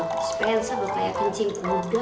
mau dispensa bakal pecing kugandhad